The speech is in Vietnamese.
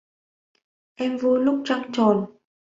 Em vui lúc trăng tròn